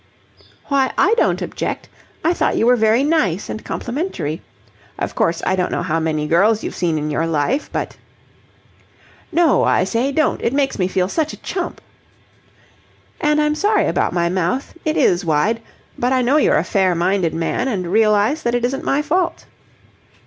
"Why, I didn't object. I thought you were very nice and complimentary. Of course, I don't know how many girls you've seen in your life, but..." "No, I say, don't! It makes me feel such a chump." "And I'm sorry about my mouth. It is wide. But I know you're a fair minded man and realize that it isn't my fault."